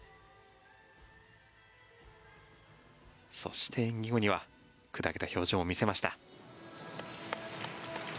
そして、演技後には砕けた表情も見せました。